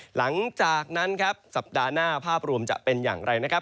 หลังจากนั้นครับสัปดาห์หน้าภาพรวมจะเป็นอย่างไรนะครับ